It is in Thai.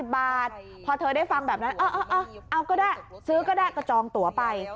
บาทพอเธอได้ฟังแบบนั้นเอาก็ได้ซื้อก็ได้ก็จองตัวไป